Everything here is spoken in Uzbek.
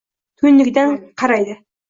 Tuynugidan karaydi.